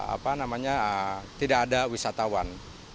apa namanya tidak ada wisatawan